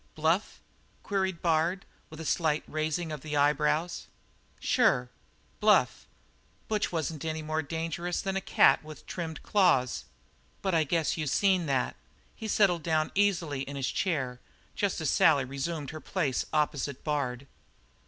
"Bluff?" queried Bard, with a slight raising of the eyebrows. "Sure bluff. Butch wasn't any more dangerous than a cat with trimmed claws. But I guess you seen that?" He settled down easily in his chair just as Sally resumed her place opposite Bard.